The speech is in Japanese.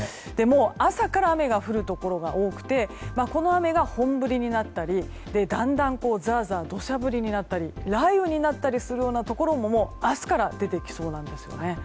朝から雨が降るところが多くてこの雨が本降りになったりだんだんザーザーと土砂降りになったり雷雨になったりするようなところも明日から出てきそうなんですね。